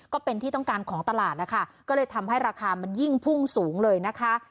ก็เป็นที่ต้องการของตลาดนะคะก็เลยทำให้ราคามันยิ่งพุ่งสูงเลยนะคะ